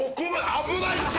危ないって！